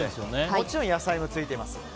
もちろん野菜もついています。